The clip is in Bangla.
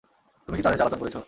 তুমি কি তাদের জ্বালাতন করেছ?